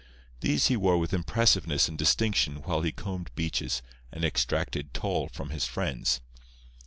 These he wore with impressiveness and distinction while he combed beaches and extracted toll from his friends.